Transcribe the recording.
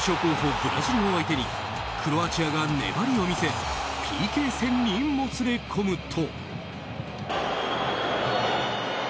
ブラジルを相手にクロアチアが粘りを見せＰＫ戦にもつれ込むと。